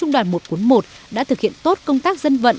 đoàn một trăm bốn mươi một đã thực hiện tốt công tác dân vận